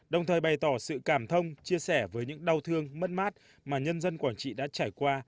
đồng thời bày tỏ sự cảm thông chia sẻ với những đau thương mất mát mà nhân dân quảng trị đã trải qua